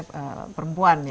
ya perempuan ya